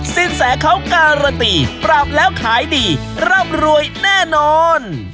สินแสเขาการันตีปรับแล้วขายดีร่ำรวยแน่นอน